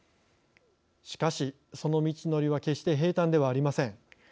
しかし、その道のりは決して平たんではありません。